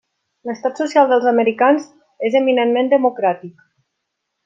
L'estat social dels americans és eminentment democràtic.